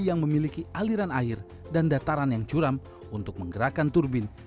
yang memiliki aliran air dan dataran yang curam untuk menggerakkan turbin